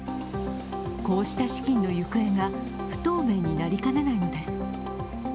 こうした資金の行方が不透明になりかねないのです。